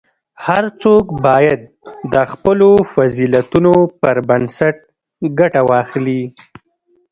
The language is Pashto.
هر څوک باید د خپلو فضیلتونو پر بنسټ ګټه واخلي.